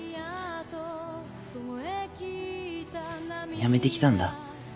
辞めてきたんだ。